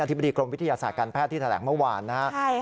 ธิบดีกรมวิทยาศาสตร์การแพทย์ที่แถลงเมื่อวานนะครับ